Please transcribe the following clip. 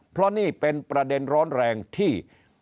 เพราะนี่เป็นประเด็นร้อนแรงที่